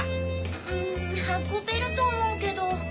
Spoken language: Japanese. うん運べると思うけど。